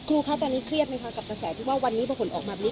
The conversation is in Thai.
คะตอนนี้เครียดไหมคะกับกระแสที่ว่าวันนี้พอผลออกมาแบบนี้